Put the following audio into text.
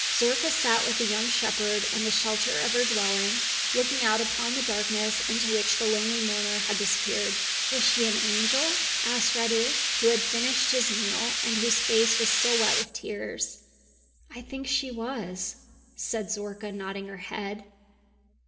Zorka sat with the young shepherd in the shelter of her dwelling, looking out upon the darkness into which the lonely mourner had disappeared. "Was she an angel?" asked Radu, who had finished his meal, and whose face was still wet with tears. "I think she was," said Zorka, nodding her head.